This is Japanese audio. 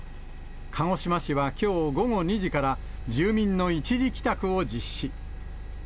鹿児島市はきょう午後２時から住民の一時帰宅を実施。